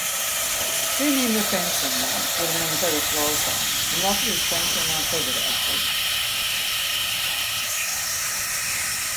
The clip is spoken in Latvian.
Cienījamie pensionāri, kuri mani tagad klausās, un Latvijas Pensionāru federācija!